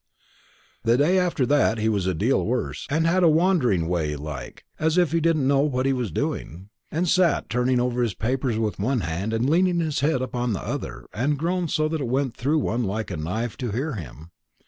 The day after that he was a deal worse, and had a wandering way like, as if he didn't know what he was doing; and sat turning over his papers with one hand, and leaning his head upon the other, and groaned so that it went through one like a knife to hear him.